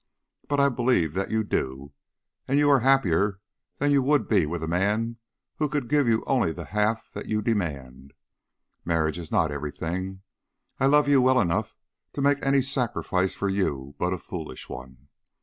But I believe that you do; and you are happier than you would be with a man who could give you only the half that you demand. Marriage is not everything. I love you well enough to make any sacrifice for you but a foolish one.